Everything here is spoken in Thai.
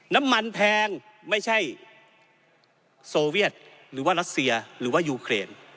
น้ำมันแพงไม่ใช่โซเวียตหรือว่ารัสเซียหรือว่ายูเครน